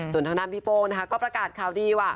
ส่วนทางด้านพี่โป้นะคะก็ประกาศข่าวดีว่า